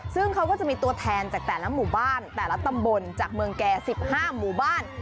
ซึ่งเขาก็จะมีตัวแทนจากแต่ละหมู่บ้านแต่ละตำบลจากเมืองแก่๑๕หมู่บ้าน